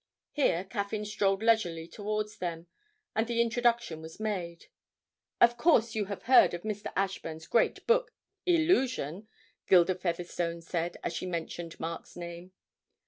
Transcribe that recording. Here Caffyn strolled leisurely towards them, and the introduction was made. 'Of course you have heard of Mr. Ashburn's great book, "Illusion"?' Gilda Featherstone said, as she mentioned Mark's name.